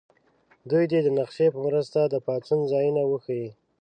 دوی دې د نقشې په مرسته د پاڅون ځایونه وښیي.